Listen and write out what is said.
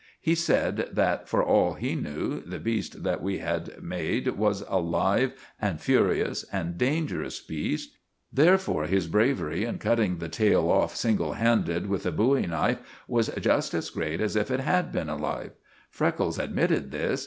He said that, for all he knew, the beast that we had made was a live, and furious, and dangerous beast; therefore his bravery in cutting the tail off single handed with the bowie knife was just as great as if it had been alive. Freckles admitted this.